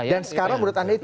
dan sekarang menurut anda itu